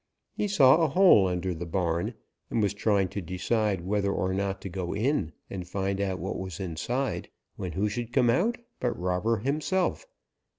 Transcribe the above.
He saw a hole under the barn and was trying to decide whether or not to go in and find out what was inside when who should come out but Robber himself.